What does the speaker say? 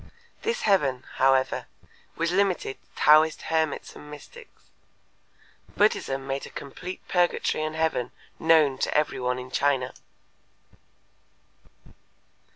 This heaven, however, was limited to Taoist hermits and mystics. Buddhism made a complete purgatory and heaven known to every one in China.